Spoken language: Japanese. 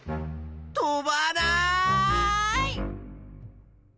飛ばない！